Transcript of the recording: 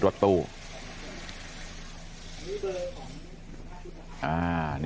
หกสิบล้าน